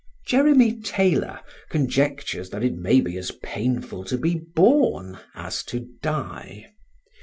Jeremy Taylor conjectures that it may be as painful to be born as to die.